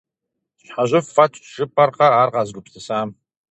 ЩхьэжьыфӀ фӀэтщ, жыпӀэркъэ ар къэзыгупсысам!